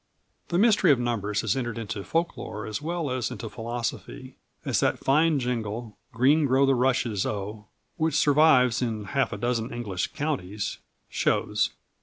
The mystery of numbers has entered into folklore as well as into philosophy, as that fine jingle, "Green grow the rushes, O!" which survives in half a dozen English counties, shows.